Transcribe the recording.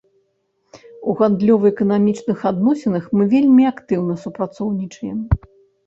У гандлёва-эканамічных адносінах мы вельмі актыўна супрацоўнічаем.